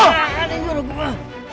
gak ada yang nyuruh gua